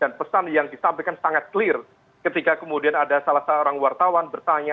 dan pesan yang disampaikan sangat clear ketika kemudian ada salah satu orang wartawan bertanya